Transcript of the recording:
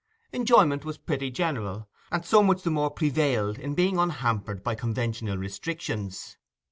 Enjoyment was pretty general, and so much the more prevailed in being unhampered by conventional restrictions.